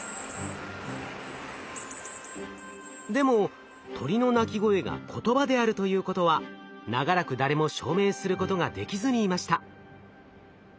でも鳥の鳴き声が言葉であるということは長らく誰も証明することができずにいました。